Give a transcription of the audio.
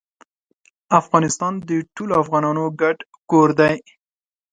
افغانستان د ټولو افغانانو ګډ کور دی.